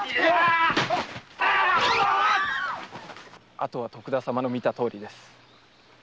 あとは徳田様の見たとおりです。